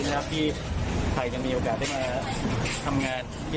นรับที่ไทยเป็นโอกาชได้มาและงานสิ้นอ่ะ